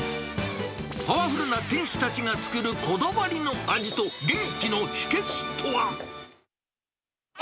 パワフルな店主たちが作るこだわりの味と元気の秘けつとは。